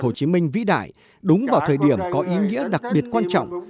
chủ tịch hồ chí minh vĩ đại đúng vào thời điểm có ý nghĩa đặc biệt quan trọng